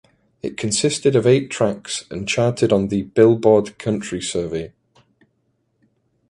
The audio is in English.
It consisted of eight tracks and charted on the "Billboard" country survey.